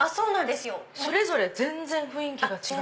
それぞれ全然雰囲気が違って。